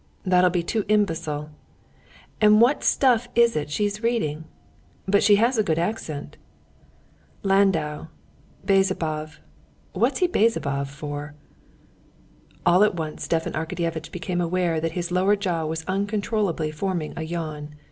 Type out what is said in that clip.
That'll be too imbecile. And what stuff it is she's reading! but she has a good accent. Landau—Bezzubov—what's he Bezzubov for?" All at once Stepan Arkadyevitch became aware that his lower jaw was uncontrollably forming a yawn.